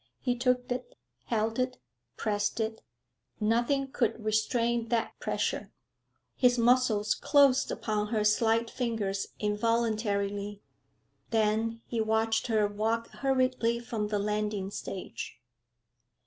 He took it, held it, pressed it; nothing could restrain that pressure; his muscles closed upon her slight fingers involuntarily. Then he watched her walk hurriedly from the landing stage....